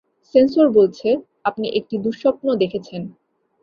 Sensor বলছে, আপনি একটি দুঃস্বপ্ন দেখেছেন।